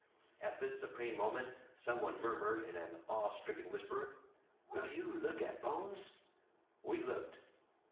At this supreme moment someone murmured in an awe stricken whisper: "WILL you look at Bones?" We looked.